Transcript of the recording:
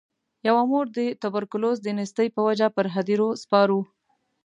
یوه مور د توبرکلوز د نیستۍ په وجه پر هدیرو سپارو.